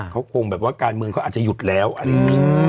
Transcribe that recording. เขาคงแบบว่าการเมืองเขาอาจจะหยุดแล้วอะไรอย่างนี้